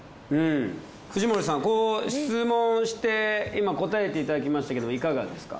藤森さん質問して今答えていただきましたけどいかがですか？